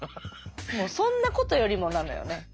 もうそんなことよりもなのよね。